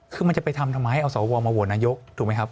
คือมันจะไปทำทำไมเอาสวมาโหวตนายกถูกไหมครับ